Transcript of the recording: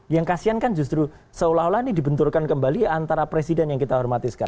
yang kasian kan justru seolah olah ini dibenturkan kembali antara presiden yang kita hormati sekarang